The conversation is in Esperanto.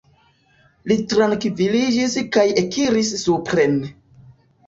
Li trankviliĝis kaj ekiris supren.